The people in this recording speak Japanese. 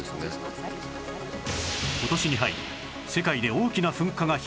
今年に入り世界で大きな噴火が頻発